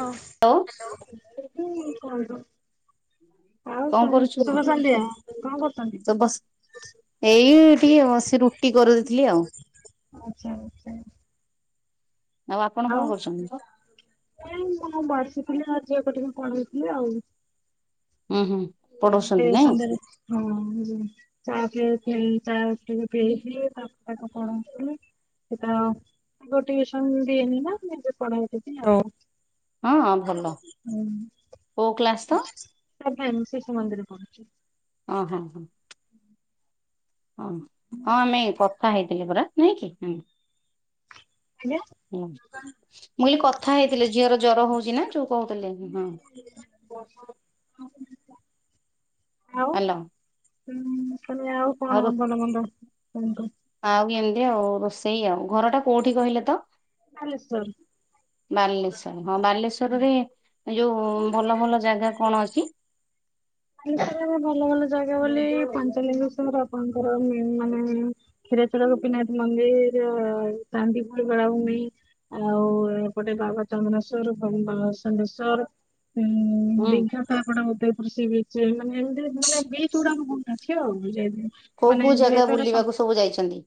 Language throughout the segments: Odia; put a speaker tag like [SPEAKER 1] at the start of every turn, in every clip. [SPEAKER 1] ହଁ।
[SPEAKER 2] ଲୋ।
[SPEAKER 1] [inaudible]
[SPEAKER 2] [inaudible]
[SPEAKER 1] ଆଉ ଶ
[SPEAKER 2] କରୁଛୁ
[SPEAKER 1] ଶୁଭ ସନ୍ଧ୍ୟା କଣ କରୁଚନ୍ତି?
[SPEAKER 2] ତ ବସ ଏଇ ଟିକେ ବସି ରୁଟି କରୁ ଦେଇଥିଲି ଆଉ।
[SPEAKER 1] ଆଚ୍ଛା ଆଚ୍ଛା।
[SPEAKER 2] ଆଉ ଆପଣ କଣ କରୁଛନ୍ତି?
[SPEAKER 1] ବସିଥିଲି ଆ ଝିଅକୁ ଟିକେ ପଢଉଥିଲି ଆଉ।
[SPEAKER 2] ଉଁ ହୁଁ।
[SPEAKER 1] ଏ
[SPEAKER 2] ପଢଉଛନ୍ତି ନାଇଁ
[SPEAKER 1] ସନ୍ଧ୍ୟାରେ ହଁ ଜି ଚା [unintelligible] ଚା ପିଇଥିଲି, ତାପରେ ତାକୁ ପଢଉଥିଲି ସେ ତାର ମୁ ଟିୟୁସନ ଦିଏନି ନା ନିଜେ ପଢେଇ ଦେବି ଆଉ।
[SPEAKER 2] ହଁ ଭଲ କୋଉ କ୍ଲାସ ତ?
[SPEAKER 1] ସେଭେନ୍ ଶିଶୁ ମନ୍ଦିର ପଢୁଛି।
[SPEAKER 2] ଅଁ ହଁ ହଁ। ହଁ ହଁ ଆମେ କଥା ହେଇଥିଲି ପରା ନାଇଁ କି?
[SPEAKER 1] ଆଜ୍ଞା।
[SPEAKER 2] ମୁଁହିଲି କଥା ହେଇଥିଲି ଝିଅର ଜର ହଉଚି ନାଁ ଯୋଉ କହୁଥିଲେ। ହଁ।
[SPEAKER 1] [unintelligible] ଆଉ
[SPEAKER 2] ହାଲୋ
[SPEAKER 1] ହୁଁ ତମେ ଆଉ କଣ ଭଲ ମନ୍ଦ କୁହନ୍ତୁ?
[SPEAKER 2] ଆଉ ଏମିତି ଆଉ ରୋଷେଇ ଆଉ ଘର ଟା କୋଉଠି କହିଲେ ତ?
[SPEAKER 1] ବାଲେଶ୍ୱର।
[SPEAKER 2] ବାଲେଶ୍ଵର ହଁ ବାଲେଶ୍ଵରରେ ଯୋଉ ଭଲ ଭଲ ଜାଗା କଣ ଅଛି?
[SPEAKER 1] ବାଲେଶ୍ୱରରେ ଭଲ ଭଲ ଜାଗା ବୋଲି ପାଞ୍ଚଲିଙ୍ଗେଶ୍ୱର ଆପଣଙ୍କର ମ ମାନେ କ୍ଷୀରଚୋରା ଗୋପୀନାଥ ମନ୍ଦିର୍ ଚାନ୍ଦିପୁର ବେଳାଭୂମି। ଆଉ ଏପଟେ ବାବା ଚଙ୍ଗନେଶ୍ଵର ପ୍ରଭୁ ବାବା ସମ୍ବେଶ୍ୱର ଉଁ। ହଁ
[SPEAKER 2] ହୁଁ
[SPEAKER 1] ଦିଘା ତ ଆପଣଙ୍କର ଉଦୟପୁର ସିବିଚ୍। ସି ମାନେ ଏମିତି ମାନେ ବିଚି ଓରା ମନର ଅଛି ଆଉ ଯାଇ
[SPEAKER 2] କୋଉ କୋଉ ଜାଗା ବୁଲିବାକୁ ସବୁ ଯାଇଚନ୍ତି?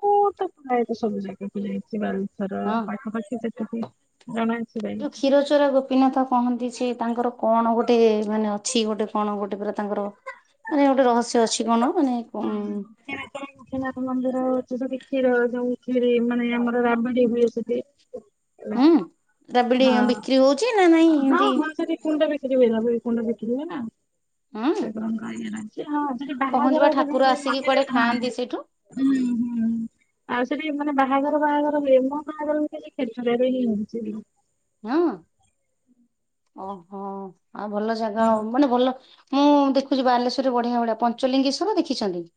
[SPEAKER 1] ପୁ ତୁ ପ୍ରାୟତ ସବୁ ଜାଗାକୁ ଯାଇଚି ବାଳୁ ଥର
[SPEAKER 2] ହଁ।
[SPEAKER 1] ପାଖାପାଖି ଯେତିକି ଜଣଛିଡ଼ାଇ।
[SPEAKER 2] ଚୋରା ଗୋପୀନାଥ କହନ୍ତି ସେ ତାଙ୍କର କଣ ଗୋଟେ ମାନେ ଅଛି ଗୋଟେ କଣ ଗୋଟେ ପୁରା ତାଙ୍କର ମାନେ ଗୋଟେ ରହସ୍ୟ ଅଛି କଣ ମାନେ କଣ
[SPEAKER 1] ଅକ୍ଷନାଥ ମନ୍ଦିର ହଉଚି ଯଠି କ୍ଷୀର ଯୋଉ କ୍ଷୀରୀ ମାନେ ଆମର ରାବିଡି ହୁଏ ସେଠି। ଲା
[SPEAKER 2] ହୁଁ ରାବିଡି
[SPEAKER 1] ହଁ
[SPEAKER 2] ବିକ୍ରି ହଉଛି ନା ନାଇଁ
[SPEAKER 1] ହଁ
[SPEAKER 2] ଏମତି
[SPEAKER 1] ହମ ସେଠି କୁଣ୍ଡ ବିକ୍ରି ହୁଏ କୁଣ୍ଡ ବିକ୍ରି ହୁଏ ନାଁ
[SPEAKER 2] ହୁଁ
[SPEAKER 1] [unintelligible] ସେ ହଁସେଠି
[SPEAKER 2] କହନ୍ତି
[SPEAKER 1] ବାହାଘର
[SPEAKER 2] ବା ଠାକୁର ଆସିକି କୁଆଡେ
[SPEAKER 1] [unintelligible]
[SPEAKER 2] ଖାଆନ୍ତି
[SPEAKER 1] ହଁ।
[SPEAKER 2] ସେଇଠୁ
[SPEAKER 1] ହୁଁ ହୁଁ। ଆଉ ସେଠି ମାନେ ବାହାଘର ବାହାଘର ହୁଏ ମୋ ବାହାଘର ବି ଖାଲି ଖେଚୁଡାରେ ହିଁ ହଉଚି।
[SPEAKER 2] ହଁ ଓହୋ ଆଉ ଭଲ ଜାଗା ମାନେ ଭଲ ମୁଁ ଦେଖୁଚି ବାଲେଶ୍ୱରରେ ବଢିଆ ଭଢିଆ ପଞ୍ଚଲିଙ୍ଗେ ସ୍ୱର ଦେଖିଛନ୍ତି।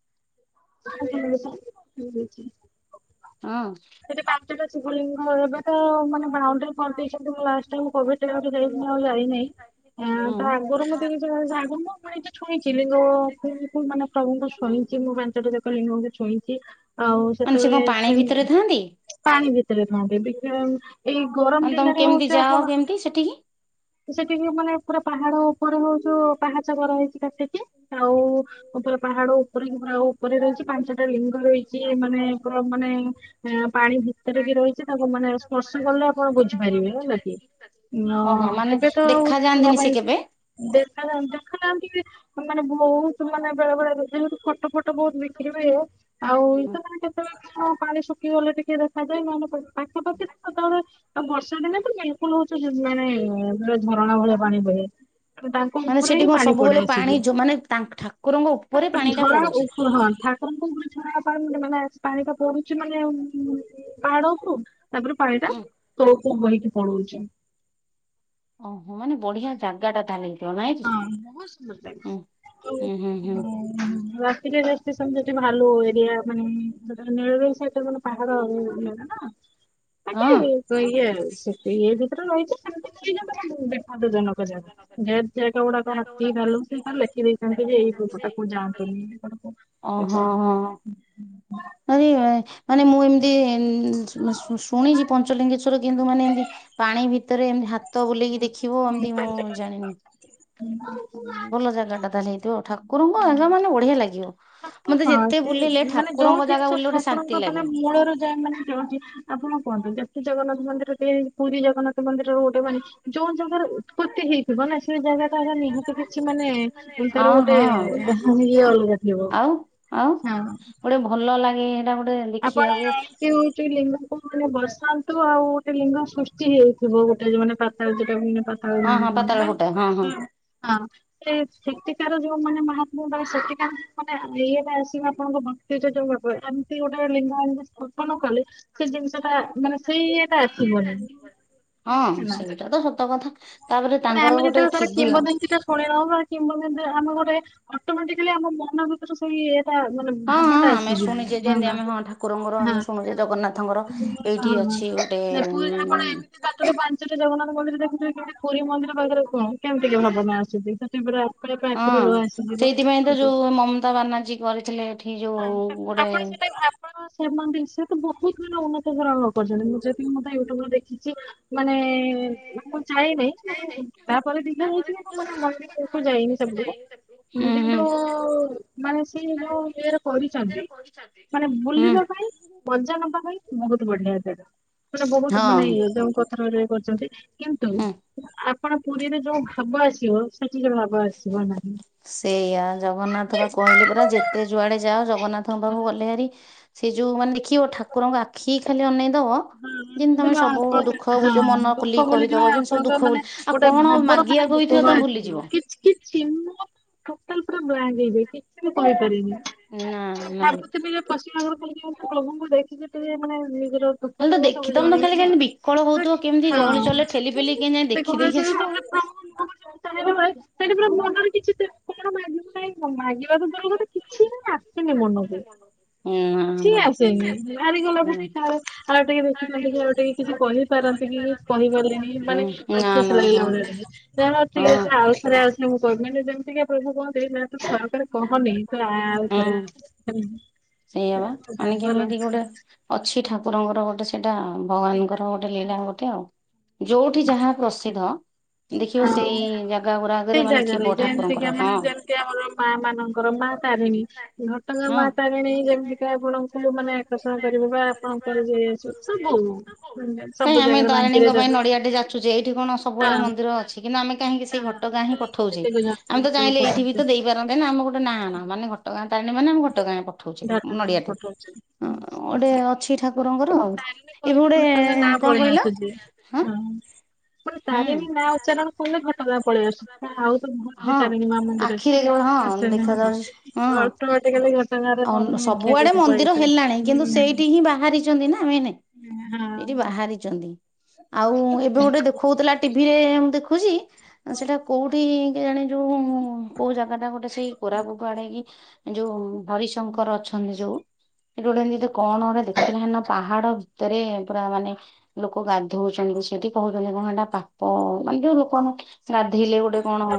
[SPEAKER 1] [inaudible]
[SPEAKER 2] ହଁ।
[SPEAKER 1] ସେଠି ପାଞ୍ଚଟା ଶିବଲିଙ୍ଗ ଏବେ ତ ମାନେ ବାଉଣ୍ଡରୀ କରିଦେଇଛନ୍ତି। [unintelligible] ମୁଁ ଆଉ ଯାଇନାହିଁ
[SPEAKER 2] ହୁଁ
[SPEAKER 1] ଆଙ୍କ ଆଗରୁ ମତେ [unintelligible] ଛୁଇଚି ଲିଙ୍ଗ୍ ମାନେ ପ୍ରଭୁଙ୍କୁ ଛୁଇଁଛି ମୁଁ ପାଞ୍ଚଟା ଯାକ ଲିଙ୍ଗଙ୍କୁ ଛୁଇଁଛି। ଆଉ
[SPEAKER 2] ମାନେ ସେ କଣ
[SPEAKER 1] ସେତେବେଳେ
[SPEAKER 2] ପାଣି ଭିତରେ
[SPEAKER 1] ଛୁଇଁବୁନି।
[SPEAKER 2] ଥାଆନ୍ତି
[SPEAKER 1] ପାଣି ଭିତରେ ଥାଆନ୍ତେ ଟିକେ ଆଉ ଏଇ ଗରମ
[SPEAKER 2] ମାନେ ତମେ
[SPEAKER 1] ଦିନରେ
[SPEAKER 2] କେମିତି
[SPEAKER 1] ହଉଛ
[SPEAKER 2] ଯାଅ
[SPEAKER 1] ଆପଣ
[SPEAKER 2] କେମିତି ସେଠିକି
[SPEAKER 1] ସେଠିକି ମାନେ ପୁରା ପାହାଡ ଉପରେ ହଉଚୁ ପାହାଚ ବର ହେଇଛି କା ସେଠି ଆଉ ପୁରା ପାହାଡ ଉପରେ ପୁରା ଉପରେ ରହିଛି ପାଞ୍ଚଟା ଲିଙ୍ଗ ରହିଛି ମାନେ ପୁରା ମାନେ ଆଁ ପାଣି ଭିତରେ କି ରହିଛି ତାକୁ ମାନେ ସ୍ପର୍ଶ କଲେ ଆପଣ ବୁଝିପାରିବେ ହେଲା କି। ନ
[SPEAKER 2] ଓହୋ ମାନେ
[SPEAKER 1] ଏବେ ତ ଆଉ
[SPEAKER 2] ଦେଖା ଯାଆନ୍ତିନି
[SPEAKER 1] ଶୁଣ
[SPEAKER 2] ସେ
[SPEAKER 1] ପାଇଁ
[SPEAKER 2] କେବେ।
[SPEAKER 1] ଦେଖାଯାନ୍ତି ଦେଖାଯାନ୍ତି ମାନେ ବହୁତ୍ ମାନେ ବେଳେ ବେଳେଯେ ହେତୁ ଫଟ ଫଟ ଫଟ ବହୁତ୍ ବିକ୍ରି ହୁଏ ଆଉ ସେ କେତେବେଳେ କଣ ପାଣି ଶୁଖିଗଲେ ଟିକେ ଦେଖାଯାଏ ନହେଲେ ପାଖାପାଖି ତ ସତେବେଳେ ଆଉ ବର୍ଷା ଦିନ ତ ଲ ହଉଚୁ ନାଇଁ ନାଇଁ ଝରଣା ଭଳି ପାଣି ବହେ। ତାଙ୍କ
[SPEAKER 2] ମାନେ
[SPEAKER 1] ଉପରେ
[SPEAKER 2] ସେଠି
[SPEAKER 1] ହିଁ
[SPEAKER 2] କଣ
[SPEAKER 1] ପାଣି ପଡେ
[SPEAKER 2] ସବୁବେଳେ ପାଣି
[SPEAKER 1] ଆସିକି
[SPEAKER 2] ଯୋଉ ମାନେ ତାଙ୍କ ଠାକୁରଙ୍କ ଉପରେ ପାଣି
[SPEAKER 1] ମାନେ
[SPEAKER 2] ଟା
[SPEAKER 1] ଝର
[SPEAKER 2] ପଡୁଛି।
[SPEAKER 1] ଉପ ହଁ ଥା ଆଣ କଉ ଗୋଟେ ଛଡବା ପାେ ମାନେ ପାଣି ଟା ପଡୁଛି ମାନେ ପାହାଡ ଉପରୁ। ତାପରେ ପାଣି ଟା
[SPEAKER 2] ହୁଁ
[SPEAKER 1] ତଳକୁ ବହିକି ପଳଉଚି।
[SPEAKER 2] ଓହୋ ମାନେ ବଢ଼ିଆ ଜାଗାଟା ତାହେଲେ ହେଇଥିବ ନାଇଁକି
[SPEAKER 1] ହଁ। ବହୁତ ସୁନ୍ଦର
[SPEAKER 2] ହୁଁ ହୁଁ ହୁଁ ହୁଁ।
[SPEAKER 1] ହୁଁ ରାତିରେ ରେଷ୍ଟିସନ୍ ଜଦି ଆଲୁଅ ଏରିଆ ମାନେ ନୀଳ ରତ [unintelligible]
[SPEAKER 2] [inaudible]
[SPEAKER 1] ବାକି ଇଏ [unintelligible] ଗେଟ୍ ଗୁଡ଼ାକ ହାତୀ, ଭାଲୁ ସେତାର ଲେଖି ଦେଇଥାନ୍ତିଯେ ଏଇ ପଟକୁ ଯାଆନ୍ତୁନି ଏପଟକୁ [unintelligible]
[SPEAKER 2] ଏଇଏ ମାନେ ମୁଁ ଏମିତି ଶୁ ଶୁଣିଚି ପଞ୍ଚଲିଙ୍ଗେଶ୍ଵ ଭିତରେ କିନ୍ତୁ ମାନେ ଏମିତି ପାଣି ଭିତରେ ଏମିତି ହାତ ବୁଲେଇକି ଦେଖିବ ଏମି
[SPEAKER 1] ଉଁ ହୁଁ।
[SPEAKER 2] ଭଲ ଜାଗାଟା ତାହେଲେ ହେ ଠାକୁରଙ୍କ ଜାଗା ମାନେ ବଢିଆ ଲାଗିବ, ମତେ
[SPEAKER 1] ହଁ
[SPEAKER 2] ଯେତେ
[SPEAKER 1] ସେ
[SPEAKER 2] ବୁଲିଲେ
[SPEAKER 1] ମାନେ ଯୋଉ
[SPEAKER 2] ଠାକୁରଙ୍କ ଜାଗା
[SPEAKER 1] ଜିନିଷ
[SPEAKER 2] ବୋଲି ଗୋଟେ ଶାନ୍ତି
[SPEAKER 1] ଠାକୁରଙ୍କ ମାନେ
[SPEAKER 2] ଲାଗେ।
[SPEAKER 1] ମୂଳରୁ ଯାଏ ମାନେ ଯାଉଚି ଆପଣ କୁହନ୍ତୁ ଯେତେ ଜଗନ୍ନାଥ ମନ୍ଦିରରେ ପୁରୀ ଜଗନ୍ନାଥ ମନ୍ଦିର ଗୋଟେ ମାନେ ଯୋଉ ଜାଗାର ଉତ୍ପତି ହେଇଥିବନା ସେ ଜାଗାଟା ନିହାତି କିଛି ମାନେ ଉ ତାର
[SPEAKER 2] ହଁ
[SPEAKER 1] ଗୋଟେ
[SPEAKER 2] ହଁ
[SPEAKER 1] [unintelligible] ଅଲଗା ଥିବ
[SPEAKER 2] ଆଉ ଆଉ
[SPEAKER 1] ହଁ।
[SPEAKER 2] ଗୋଟେ ଭଲ ଲାଗେ ହେଟା ଗୋଟେ ଦେଖିବାକୁ
[SPEAKER 1] ଠି ଲିଙ୍ଗକୁ ମାନେ ବସାନ୍ତୁ ଆଉ ଗୋଟେ ଲିଙ୍ଗ ସୃଷ୍ଟି ହେଇଥିବ ଗୋଟେ ଯୋଉଟା ପାତଳ ଯୋଉଟା ମାନେ
[SPEAKER 2] ହଁ ହଁ
[SPEAKER 1] [unintelligible]
[SPEAKER 2] ପାତାଳ
[SPEAKER 1] ବା
[SPEAKER 2] ଫୁଟା ହଁ ହଁ
[SPEAKER 1] ପା ହଁ। ସେ ସେଟିକାର ଯୋଉ ମାନେ ମହାପ୍ରଭୁ ସେଟିକାର ମାନେ ଇଏଟା ଆସିବ ଆପଣଙ୍କ ଭ [unintelligible] ଏମିତି ଗୋଟେ ଲିଙ୍ଗ ଏମିତି ସ୍ଥାପନ କଲେ ସେଜିନିଷଟା ମାନେ ସେଇଏଟା ଆସିବନି ହେଲା।
[SPEAKER 2] ସେଟାତ ସତ କଥା ତାପରେ
[SPEAKER 1] ମାନେ
[SPEAKER 2] ତାଙ୍କର
[SPEAKER 1] ଆମେ
[SPEAKER 2] ଗୋଟେ
[SPEAKER 1] ଯେତେବେଳେ ତାର
[SPEAKER 2] ଥିବୀୟ ହଁ
[SPEAKER 1] କିମ୍ବଦନ୍ତି ଶୁଣିନ କିମ୍ବ ଆମେ ଗୋଟେ ଅଟୋମଟିକାଲି ଆମ ମନ ଭିତରେ ସେଇ ଟା ମାନେ
[SPEAKER 2] ହଁ
[SPEAKER 1] ଭାବଟା
[SPEAKER 2] ଆମେ
[SPEAKER 1] ଆସିଯିବ ହପା ହଁ।
[SPEAKER 2] ପୁରୀ ଜଗନ୍ନାଥଙ୍କର ଏଇଠି
[SPEAKER 1] ହଁ
[SPEAKER 2] ଅଛି
[SPEAKER 1] ହଁ
[SPEAKER 2] ଗୋଟେ
[SPEAKER 1] ସେଠୁ ଏଇଖିଣା
[SPEAKER 2] ଉଁ
[SPEAKER 1] ଏମିତି ବାଟରୁ ପାଣି ସେଠି ଜଗନ୍ନାଥ ମନ୍ଦିର ଦେଖୁଛେକି ପୁରୀ ମନ୍ଦିର ପାଖରେ କଣ କେମିତିକି ଭାବନା ଆସଚୁ ସେଠି ପୁରା ଆପଣଙ୍କ ଆଖିରୁ ଲୁହ
[SPEAKER 2] ହଁ
[SPEAKER 1] ଆସିଯିବ
[SPEAKER 2] ସେଇଥିପାଇଁତ ଯୋଉ ମମତା ବାନାର୍ଜୀ କରିଥିଲେ ଏଠି ଯୋଉ ଗୋଟେ
[SPEAKER 1] ସେମାନେ ସେତ ବହୁତ୍ ମାନ ଉନ୍ନତିର କରିଛନ୍ତି ମୁଁ ଯଦି ମତେ ୟୁଟ୍ୟୁବରେ ଦେଖିଚି ମାନେ ମୁଁ ଯାଏନେହିଁ ମାନେ ତାପରେ ଦଖା ହୋଇଚିକି ନାମତେ ମନ୍ଦିରକୁ ଯାଇନି ସେପଟକୁ
[SPEAKER 2] ହୁଁ ହୁଁ
[SPEAKER 1] କିନ୍ତୁ ମାନେ ସିଏ ଯୋଉ ଇଏରେ କରିଚନ୍ତି ମାନେ
[SPEAKER 2] ହୁଁ
[SPEAKER 1] ବୁଲିବା ପାଇଁ ମଜା ନବା ପାଇଁ ବହୁତ୍ ବଢ଼ିଆ ଜାଗା ମାନେ ବହୁତ୍
[SPEAKER 2] ହଁ
[SPEAKER 1] ମାନେ ଇଏ ଯୋଉ ପଥର କରିଚନ୍ତି କିନ୍ତୁ
[SPEAKER 2] ହୁଁ
[SPEAKER 1] ଆପଣ ପୁରୀରେ ଯୋଉ ଭାବ ଆସିବ ସେଠି ଯୋଉ ଭା
[SPEAKER 2] ସେଇଆ ଜଗନ୍ନାଥବା କହିଲେ ପରା ଯେତେ ଯୁଆଡ଼େ ଯାଅ ଜଗନ୍ନାଥ ତାଙ୍କ ପାଖକୁ
[SPEAKER 1] ହଁ
[SPEAKER 2] ଗଲେ ହାରି ସେଯୋଉ ମାନେ ଦେଖିବ ଠାକୁରଙ୍କ ଆଖିକି ଖାଲି ଅନେଇଦବ ଯେମିତି ତମେ
[SPEAKER 1] ହଁ
[SPEAKER 2] ସବୁ ଦୁଃଖ
[SPEAKER 1] ଆପଣଙ୍କ
[SPEAKER 2] ବୋଲି
[SPEAKER 1] ହଁ
[SPEAKER 2] ମନ
[SPEAKER 1] ଦୁଃଖ
[SPEAKER 2] ଖୋଲିକି
[SPEAKER 1] ବୋଲି ଯଉ
[SPEAKER 2] କହିଦବ ଯେମିତି ସବୁ
[SPEAKER 1] ଆପଣଙ୍କ
[SPEAKER 2] ଦୁଃଖ ବୋଲି
[SPEAKER 1] ମାନେ
[SPEAKER 2] ଆଉ
[SPEAKER 1] ଗୋଟେ
[SPEAKER 2] କଣ
[SPEAKER 1] ଭାବର
[SPEAKER 2] ମାଗିବାକୁ
[SPEAKER 1] ମାନେ
[SPEAKER 2] ହେଇଥିବ
[SPEAKER 1] କୋଖ
[SPEAKER 2] ତମେ
[SPEAKER 1] ଆସିଯିବ
[SPEAKER 2] ଭୁଲିଯିବ
[SPEAKER 1] କିଛି କି [unintelligible] ଟୋଟାଲ ପୁରା ବ୍ରାଣ୍ଡ ହେଇଯାଇଛି। କିଛିବି କହିପାରିନି
[SPEAKER 2] ନା ନା
[SPEAKER 1] ଭାବୁଥିଲିଯେ ପଶ୍ଚିମ ଆର [unintelligible] ପ୍ରଭୁଙ୍କୁ ଦେଖିକି ଟିକେ ମାନେ ନିଜର [unintelligible]
[SPEAKER 2] ଖାଲି ତ
[SPEAKER 1] ସବୁ
[SPEAKER 2] ଦେଖି ତମେ ତ ଖାଲି
[SPEAKER 1] ଜଣେଇମିକି
[SPEAKER 2] କେମିତି ବିକଳ
[SPEAKER 1] ହଁ
[SPEAKER 2] ହଉଥିବ କେମିତି ଗହଳି ଚହଳିରେ ଠେଲି ପେଲି କେମିତି ଯାଇ ଦେଖି ଦେଇକି ଆସିବ ଆଉ।
[SPEAKER 1] [unintelligible] [unintelligible] ସେଠି ପୁରା ମନରେ କିଛି କଣ ମାଗିବୁ ନାହିଁ ମାଗିବାକୁ ଦୂରର କଥା କିଛିଁ ଆସୁନି ମନକୁ
[SPEAKER 2] ନା
[SPEAKER 1] କିଛି ହିଁ
[SPEAKER 2] ହୁଁ।
[SPEAKER 1] ଆସୁନି ସେ ବି ହାରିଗଲା ବି [inaudible] ଆଉ ଟିକେ ଦେଖିଥାନ୍ତିକି ଆଉ ଟିକେ କିଛି କହିପାରନ୍ତି କି କହିପାରିଲିନି ମାନେ
[SPEAKER 2] ହୁଁ, ନା
[SPEAKER 1] ଅଫସୋସ୍
[SPEAKER 2] ନା ହଁ
[SPEAKER 1] ଲାଗିଲା ମଣିଆ ଟେ ଚାହା [inaudible] ହଉ ଠିକ୍ ଅଛି ଆଉ
[SPEAKER 2] ହଁ।
[SPEAKER 1] ଥରେ ଆଉ ମୁଁ କହିବି ଯେମିତିକା ପ୍ରଭୁ କହନ୍ତି ଯାହା ତ ସରକାର କହନି ତ ଆଉଥରେ
[SPEAKER 2] ହୁଁ। ସେଇଆ ବା ମାନେ
[SPEAKER 1] ଭାବର
[SPEAKER 2] କେମିତି ଗୋଟେ ଅଛି ଠାକୁରଙ୍କର ଗୋଟେ ସେଇଟା ଭଗବାନଙ୍କର ଗୋ ଗୋଟେ ଲୀଳା ଗୋଟେ
[SPEAKER 1] ନିହାତି।
[SPEAKER 2] ଆଉ ଯୋଉଠି ଯାହା ପ୍ରସିଦ୍ଧ ଦେଖିବ ସେଇ ଯାଗା ଗୁରା।
[SPEAKER 1] ସେଇ ଯାଗାରେ ଯେମିତିକି ମାନେ ଯେମିତି ଆମର ମା ମାନଙ୍କର ମା ତାରିଣୀ ଘଟଙ୍ଗା
[SPEAKER 2] ହଁ।
[SPEAKER 1] ମା ତାରିଣୀ ତାରିଣୀ ଯେମିତିକା ଆପଣଙ୍କୁ ମୁଁ ମାନେ ଆକର୍ଷଣ କରିବ ବା ଆପଣ [inaudible] ଙ୍କର ଯାଇ ଆସିବ। ସବୁ ଯାଗାରେ ବାଙ୍କିରେ ଦାରୁ [inaudible]
[SPEAKER 2] ତୁ ଯେଇଠି କଣ ଅ [inaudible] ସବୁଆଡେ ମନ୍ଦିର ଅଛି କିନ୍ତୁ ଆମେ କାହିଁକି ସେଇ ଘଟଙ୍ଗା ହଁ ପଠଉଛେ
[SPEAKER 1] ସେଠିକି
[SPEAKER 2] ଆମେ
[SPEAKER 1] ଯାତ୍ରା
[SPEAKER 2] ତ ଚାହିଁଲେ
[SPEAKER 1] ଘାଟକୁ
[SPEAKER 2] ଏଇଠି ବି
[SPEAKER 1] ପଠଉଚେ
[SPEAKER 2] ତ ଦେଇ ଦେଇ ପାରନ୍ତେନା ଆମ ଗୋଟେ ନା ମାନେ ଘଟଗାଁ ତାରିଣୀ ମାନେ ଘଟଗାଁ
[SPEAKER 1] ଘଟଗାଁ
[SPEAKER 2] ନଡ଼ିଆ ଟେ
[SPEAKER 1] ପଠଉଛି
[SPEAKER 2] ଗୋଟେ ଅଛି ଠାକୁର ଠାକୁରଙ୍କର
[SPEAKER 1] ଆମେ
[SPEAKER 2] ଆଉ
[SPEAKER 1] ତାରିଣୀ
[SPEAKER 2] ଏବେ
[SPEAKER 1] କହିଲେ
[SPEAKER 2] ଗୋଟେ
[SPEAKER 1] ଘଟଗାଁ ନାଁ
[SPEAKER 2] କଣ
[SPEAKER 1] ପଳେଇ
[SPEAKER 2] କହିଲ? ହଁ
[SPEAKER 1] ପୁଣି
[SPEAKER 2] ହୁଁ।
[SPEAKER 1] ତାରିଣୀ ନାଁ ଉଚ୍ଚାରଣ କଲେ ଘଟଗାଁ ପଳେଇ ଆସୁ ଆଉ ତ ଭୁଲିବି
[SPEAKER 2] ହଁ
[SPEAKER 1] ତାରିଣୀ ମା ମନ୍ଦିରରେ
[SPEAKER 2] ଆଖିରେ କେବଳ ହଁ
[SPEAKER 1] ଆସେ
[SPEAKER 2] ଦେଖା
[SPEAKER 1] ତାଙ୍କ ନାଁ ଅଟୋମେଟିକାଲି
[SPEAKER 2] ଅନ୍ୟ ସବୁଆଡେ ମନ୍ଦିର ହେଲାଣି କିନ୍ତୁ ସେଇଠି ହିଁ ବାହାରି। ବାହାରିଛନ୍ତିନା ମେନ୍ ସେଇଠି ବାହାରିଛନ୍ତି। ଆଉ ଏବେ ଗୋଟେ ଦେଖଉଥିଲା ଟିଭି ରେ ମୁଁ ଦେଖୁଛି। ସେଟା କୋଉଠି କେଜାଣି ଯୋଉ କୋଉ ଯାଗା ଟା ଗୋଟେ ସେଇ କୋରାପୁଟ ଆଡ଼େ କି ଯୋଉ ହରିଶଙ୍କର ଅଛନ୍ତି ଯୋଉ ସେଠି ଗୋଟେ ଏମିତି କଣ ଗୋଟେ ଦେଖିଲା ହେଦିନ ପାହାଡ଼ ଭିତରେ ପୁରା ମାନେ। ଲୋକ ଗାଧଉଛନ୍ତି ସେଠି କହୁଛନ୍ତି କଣ ହେଟା ପାପ ମାନେ ଯୋଉ ଲୋକମାନେ। ଗାଧେଇଲେ ଗୋଟେ କଣ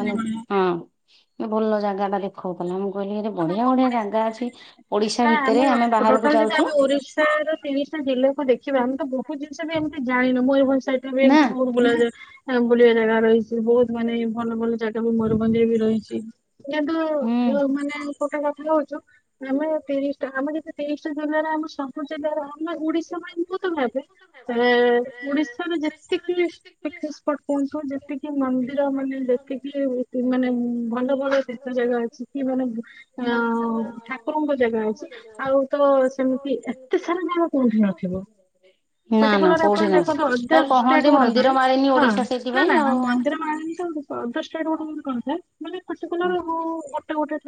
[SPEAKER 2] ମାନେ ହଁ ଭଲ ଯାଗା ଟା ଦେଖାଉଥିଲା ମୁଁ କହିଲି ଆରେ। ବଢ଼ିଆ ବଢ଼ିଆ
[SPEAKER 1] ହୁଁ ହଁ।
[SPEAKER 2] ଯାଗା ଅଛି ଓଡ଼ିଶା ଭିତରେ ଆମେ ବାହାରକୁ ଯାଉଛୁ।
[SPEAKER 1] ତିରିଶି ଟା ଜିଲ୍ଲାକୁ ଦେଖିବା ଆମେ ତ ବହୁତ ଜିନିଷ ଏମିତି ଜାଣିନୁ ମୟୂରଭଞ୍ଜର [inaudible] ସହିତ ବି
[SPEAKER 2] ନା
[SPEAKER 1] ଏମିତି ବହୁ। ବୁଲା ବୁଲିବା ଜାଗା ରହିଛି ବହୁତ ମାନେ ଭଲ ଭଲ ଜାଗା ବି ମୟୂରଭଞ୍ଜରେ ବି ରହିଛି। କିନ୍ତୁ
[SPEAKER 2] ହୁଁ
[SPEAKER 1] ଯୋଉ ମାନେ ଗୋଟେ କଥା କହୁଚୁ। ଆମେ ତିରିଶ ଟା ଆମେ ଯତେ ତିରିଶଟା ଜିଲ୍ଲାରେ ଆମ ସବୁ ଜିଲ୍ଲାର ଆମେ ଓଡିଶା ଭାଇଙ୍କୁ ଟା ନେବେ। ଓଡିଶାରେ ଯେତିକି ପିକନିକ୍ ସ୍ପଟ୍ କୁହନ୍ତୁ ଯେତିକି। ସେ ମନ୍ଦିର ମାନେ ଯେତିକି ମାନେ ଭଲ ଭଲ ତୀର୍ଥ ଜାଗା ଅଛି କି ମାନେ। ଅ ଠାକୁରଙ୍କ ଜାଗା ଅଛି ଆଉ ତ ସେମିତି ଏତେ ସାରା ଯାଗା କୋଉଠି ନଥିବ।
[SPEAKER 2] ହୁଁ।
[SPEAKER 1] ପଟିକୁଲାର ଆପଣ ଦେଖନ୍ତୁ ଅଦର ଷ୍ଟେଟ୍
[SPEAKER 2] କହନ୍ତି
[SPEAKER 1] ଗୁଡ଼ାକ ରେ
[SPEAKER 2] ମନ୍ଦିର ମାଳିନୀ
[SPEAKER 1] ହଁ
[SPEAKER 2] ଓଡିଶା
[SPEAKER 1] ନା
[SPEAKER 2] ସେଇଥିପାଇଁ
[SPEAKER 1] ନା
[SPEAKER 2] ଆଉ।
[SPEAKER 1] ମନ୍ଦିର ମାଳିନୀ ତ। ଦଶଟା ରେ ଗୋଟେ ଗୋଟେ କଣ ଥାଏ ମାନେ ପଟିକୁଲାର
[SPEAKER 2] ହୁଁ
[SPEAKER 1] ଗୋଟେ ଗୋଟେ।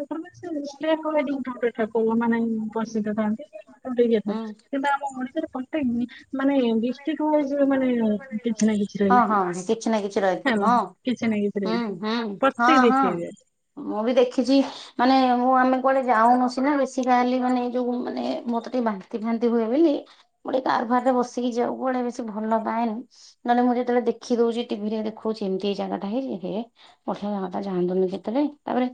[SPEAKER 1] ଷ୍ଟେଟ୍ ହୁଏନି ଠାକୁର ମାନେ ବସିତଥାନ୍ତି। [inaudible] କିନ୍ତୁ ଆମ ଓଡିଶାରେ ପ୍ରତେକ। [inaudible] ମାନେ ଡିଷ୍ଟ୍ରିକ୍ ୱଇଜ ମାନେ କିଛି ନା କିଛି
[SPEAKER 2] ହଁ
[SPEAKER 1] ରହିଛି
[SPEAKER 2] ହଁ କିଛି ନା କିଛି ରହିଛି
[SPEAKER 1] ହାଲୋ
[SPEAKER 2] ହଁ
[SPEAKER 1] କିଛି ନାହିଁ କିଛି ନାହିଁ
[SPEAKER 2] ହୁଁ
[SPEAKER 1] ରହିଛି
[SPEAKER 2] ହୁଁ ହଁ
[SPEAKER 1] ପ୍ରତ୍ୟେକ
[SPEAKER 2] ହଁ।
[SPEAKER 1] ଦଡିଷ୍ଟ୍ରିକ୍ ରେ ଏବେ।
[SPEAKER 2] ମୁଁ ବି ଦେଖିଛି ମାନେ ମୁଁ ଆମେ କୁଆଡେ ଯାଉନୁ ସିନା ବେଶୀ। ମାନେ ଯୋଉ ମାନେ ମତେ ଟିକେ ବାନ୍ତି ଫାନ୍ତି ହୁଏ ବୋଲି ମୁଁ ଟିକେ କାର ଫାର୍ ରେ ବସି। ବସିକି ଯିବାକୁ କୁଆଡ଼େ ବେଶୀ ଭଲ ପାଏନି। ନହେଲେ ମୁଁ ଯେତେବେଳେ ଦେଖି ଦଉଛି ଟିଭି ରେ ଦେଖଉଛି ଏମିତି ଏଇ ଜାଗା ହେଇଚି ଯେ। ପଠିଆ ଜାଗାଟା ଯାଆନ୍ତୁନି କେତେବେଳେ ତାପରେ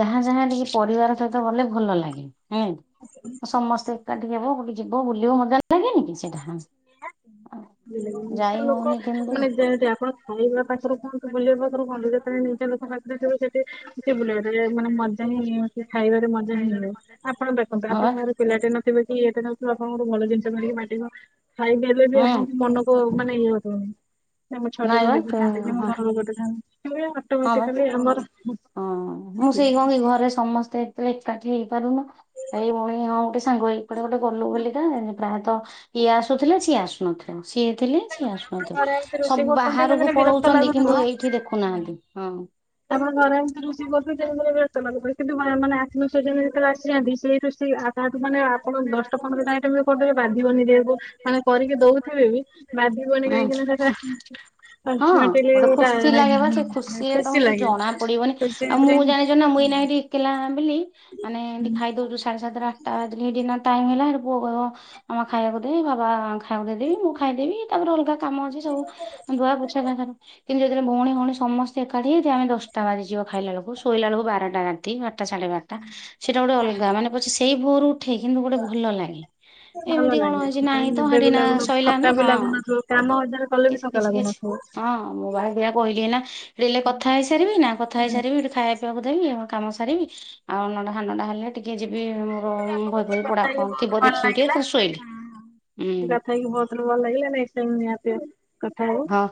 [SPEAKER 2] ଯାହା ଯାହା ଟିକେ ପରିବାର ସହିତ ଗଲେ ଭଲ ଲାଗେ ହୁଁ।
[SPEAKER 1] ହ।
[SPEAKER 2] ସମସ୍ତେ ଏକାଠି ହେବ ଗୋଟେ ଯିବ ବୁଲିବ ମଜା ଲାଗେନି କି ସେଇଟା ହଁ।
[SPEAKER 1] [inaudible] ଏତେ ଲୋକ
[SPEAKER 2] ହଉନି କିନ୍ତୁ।
[SPEAKER 1] ମାନେ ଯେନ୍ତେ ଆପଣ ଖାଇବା ପାଖରୁ କୁହନ୍ତୁ ବୁଲିବା ପାଖରୁ କହନ୍ତୁ ଯେତେବେଳେ ନିଜ ଲୋକ ପାଖରେ ଥିବ ସେଠି [inaudible] ବୁଲିବା [inaudible] ମାନେ ମଜ୍ [inaudible] ଖାଇବାରେ ମଜା ହିଁ ହୁଏ ଆପଣ ଦେଖନ୍ତୁ
[SPEAKER 2] ହଁ ବା
[SPEAKER 1] ଆପଣଙ୍କ ଘରେ ପିଲାଟେ ନଥିବେ କି ଇଏଟେ ନଥିବ ଆପଣଙ୍କୁ ଭଲ ଜିନିଷ [inaudible] ଖାଇ ଦେଲେ ବି
[SPEAKER 2] ହୁଁ।
[SPEAKER 1] ଆପଣଙ୍କୁ ମନ ଓ ମାନେ ଇଏ ହଉନି ନାଇଁ ମୋ ଛୁଆଟା
[SPEAKER 2] ବା
[SPEAKER 1] [inaudible]
[SPEAKER 2] ସେ
[SPEAKER 1] ଥାଆନ୍ତା, ମୋ
[SPEAKER 2] ହଁ
[SPEAKER 1] ଘରର ଗୋଟେ ଥାଆନ୍ତା [inaudible]
[SPEAKER 2] ହଁ ବା
[SPEAKER 1] ଅଟୋମେଟିକାଲି ଆମର ହୁଁ
[SPEAKER 2] ହଁ ମୁଁ ସେଇ କଣ କି ଘରେ ସମସ୍ତେ ହେତେବେଳେ ଏକାଠି ହେଇପାରୁନ ଏଇ ଭଉଣୀ ହଁ ଗୋଟେ ସାଙ୍ଗ ହୋଇ ‌‌କୁଆଡେ ଗୋଟେ ଗଲୁ ବୁଲିି ତ ପ୍ରାୟତଃ ଇଏ ଆସୁଥିଲେ ସିଏ ଆସୁ ନଥିଲା ସିଏ ଥିଲେ ସିଏ ଆସୁ
[SPEAKER 1] ଆପଣ
[SPEAKER 2] ନଥିବ,
[SPEAKER 1] ଘରେ ଏମିତି ରୋଷେଇ
[SPEAKER 2] ସବୁ
[SPEAKER 1] କରୁଛନ୍ତି
[SPEAKER 2] ବାହାରକୁ
[SPEAKER 1] ମାନେ ବିରକ୍ତ
[SPEAKER 2] ପଳଉଛନ୍ତି
[SPEAKER 1] ଲାଗୁଥିବ
[SPEAKER 2] କିନ୍ତୁ ଏଇଠି ଦେଖୁନାହାନ୍ତି ହଁ।
[SPEAKER 1] ତାପରେ ଘରେ ଏମିତି ରୋଷେଇ କରୁ [inaudible] କିନ୍ତୁ ମା ମାନେ ଆତ୍ମୀୟ ସ୍ୱଜନ ଯେତେବେଳେ ଆସିଯାଆନ୍ତି ସେଇ ରୋଷେଇଆ ତାହାଠୁ ମାନେ ଆପଣ ଦଶଟା ପନ୍ଦରଟା ଆଇଟମ୍ ବି କରିଦେବେ ବାଧିବନି [inaudible] ମାନେ କରିକି ଦଉଥିବେ ବି ବାଧବନି
[SPEAKER 2] ହୁଁ।
[SPEAKER 1] କାହିଁକିନା ସେଟା
[SPEAKER 2] ହଁ
[SPEAKER 1] ଅଲଟିମେଟଲି
[SPEAKER 2] ଗୋଟେ
[SPEAKER 1] ଗୋଟା
[SPEAKER 2] ଖୁସି ଲାଗେ ବା ସେ ଖୁସିରେ
[SPEAKER 1] ଖୁସି
[SPEAKER 2] ତମକୁ
[SPEAKER 1] ଲାଗେ
[SPEAKER 2] ଜଣା ପଡିବନି
[SPEAKER 1] ଖୁସି
[SPEAKER 2] ଆଉ
[SPEAKER 1] ଭିତରେ
[SPEAKER 2] ମୁଁ ଜାଣିଛ ନା ମୁଁ ଏଇନା ଏଠି କିଲାମ୍ବିଲି ମାନେ ଏମିତି ଖାଇଦେଉଛୁ ସାଢେ ସାତଟା ଆଠଟା ବାଜିଲେ ହେଇଟି ଏଇନା ଟାଇମ୍ ହେଲା ସେଠୁ ପୁଅ କହିବ ଆମକୁ ଖାଇବାକୁ ଦେ ବାବା ଖାଇବାକୁ ଦେଇଦେବି ମୁଁ ଖାଇଦେବି ତାପରେ ଅଲଗା କାମ ଅଛି ସବୁ ଧୁଆ ପୋଛା ତାଙ୍କର। କିନ୍ତୁ ଯେତେବେଳେ ଭଉଣ ଭଉଣୀ ସମସ୍ତେ ଏକାଠି ହେଇଯାଉ ଆମେ ଦଶଟା ବାଜିଯିବ ଖାଇଲା ବେଳକୁ ଶୋଇଲା ବେଳକୁ ବାରଟା‌ ବା ରାତି ବାରଟା ସାଢେ ବାରଟା ସେଇଟା ଗୋଟେ ଅଲଗା ମାନେ ପଛେ ସେଇ ଭୋରରୁ ଉ ଉଠେଇ କିନ୍ତୁ ଗୋଟେ ଭଲ ଲାଗେ,
[SPEAKER 1] ଭଲ
[SPEAKER 2] ଏମିତି କଣ
[SPEAKER 1] ଲାଗେ
[SPEAKER 2] ଅଛି
[SPEAKER 1] ସେତେବେଳେ
[SPEAKER 2] ନାହିଁ ତ ହଁ
[SPEAKER 1] ନିଦ
[SPEAKER 2] ହେଠି
[SPEAKER 1] ବି
[SPEAKER 2] ନା
[SPEAKER 1] ଲାଗୁନ ଥକା
[SPEAKER 2] ସଇଲାନା
[SPEAKER 1] ବି
[SPEAKER 2] ହଁ।
[SPEAKER 1] ଲାଗୁନଥିବ କାମ ହଜାର କଲ୍
[SPEAKER 2] କିଛ୍-କିଛ୍-କିଛ୍ ହଁ ମୁଁ ବାହାପିଆ କହିଲିନା ହେଲେ କଥା ହେଇସାରିବି ନା କ କଥା ହେଇ ସାରିବି ହେଠୁ ଖାଇବା ପିଇବାକୁ ଦେବି ମୋ କାମ ସାରିବି ଆଉ ନଅଟା ସାଢେ ନଅଟା ହେଲେ ଟିକେ ଯିବି ମୋ [unintelligible] ବହି ଫହି ପଢା କଣ ଥିବ ଦେଖିବି ଟିକେ ପୁଣି ଶୋଇବି ଉଁ।
[SPEAKER 1] [inaudible] ଭଲ ଲାଗିଲା [inaudible] କଥା ହଉ
[SPEAKER 2] ହଁ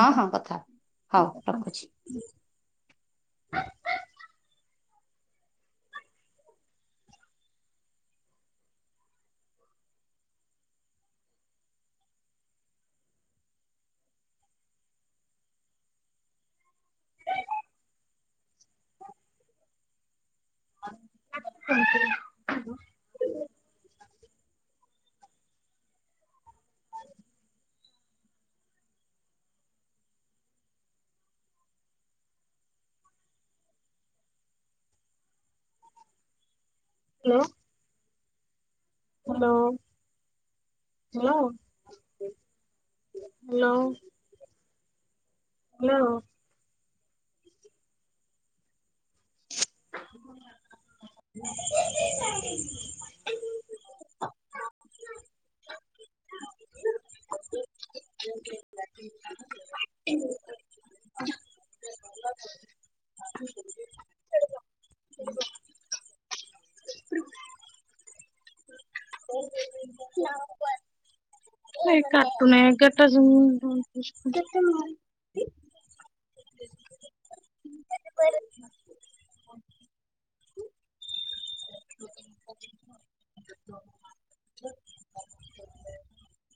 [SPEAKER 2] ହଁ ହଁ କଥା ହଉ ରଖୁଛି।
[SPEAKER 1] [unintelligible] Hello. Hello, hello? Hello. Hello. [unintelligible] ଏଇ କାଟୁନେଇ କେତେ [inaudible]